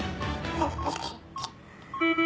あっ。